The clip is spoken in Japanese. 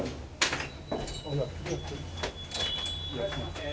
いらっしゃいませ。